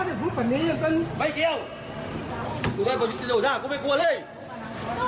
เติ้ลอย่างใจมึงใจกูเป็นข้าราคา